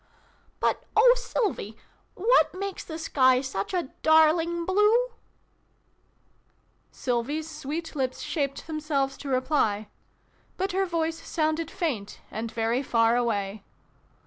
" But oh, Sylvie, what makes the sky such a darling blue ?" Sylvie's sweet lips shaped themselves to reply, but her voice sounded faint and very far away.